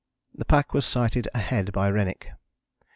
the pack was sighted ahead by Rennick.